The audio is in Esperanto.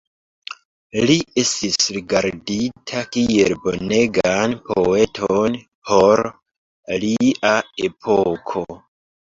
Li estis rigardita kiel bonegan poeton por lia epoko.